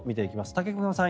武隈さん